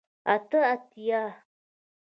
اته اتیا